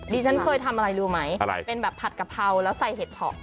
ดิฉ่อนเคยทำอะไรรู้ไหมผัดกะเพราแล้วใส่เห็ดเพรา